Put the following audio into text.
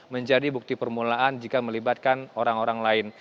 menjadi bukti permulaan jika melibatkan orang orang lain